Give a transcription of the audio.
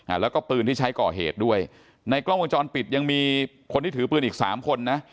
แล้วก็ปืนที่ใช้ก่อเหตุด้วยในกล้องวงจรปิดยังมีคนที่ถือปืนอีกสามคนนะ